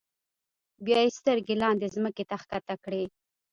بیا یې سترګې لاندې ځمکې ته ښکته کړې.